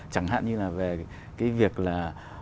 chẳng hạn như là về cái việc là